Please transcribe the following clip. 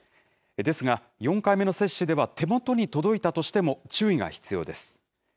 ですが、４回目の接種では手元に届いたとしても、注意が必要です。